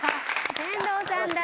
天童さんだ！